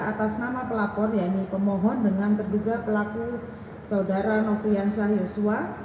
atas nama pelapor pemohon dengan keduga pelaku saudara novi yansyah yosua